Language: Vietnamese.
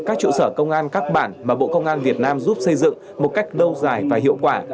các trụ sở công an các bản mà bộ công an việt nam giúp xây dựng một cách lâu dài và hiệu quả